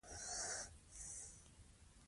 حقایق باید روښانه شي.